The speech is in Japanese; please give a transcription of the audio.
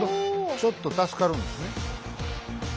ちょっと助かるんですね。